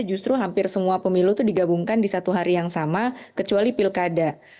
justru hampir semua pemilu itu digabungkan di satu hari yang sama kecuali pilkada